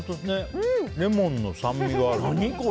レモンの酸味がある。